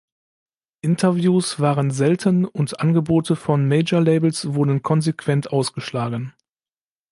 Interviews waren selten und Angebote von Majorlabels wurden konsequent ausgeschlagen.